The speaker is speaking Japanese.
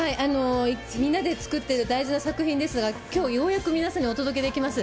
みんなで作ってる大事な作品ですが、きょうようやく皆さんにお届けできます。